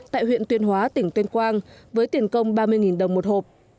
tại huyện tuyên hóa tỉnh tuyên quang với tiền công ba mươi đồng một hộp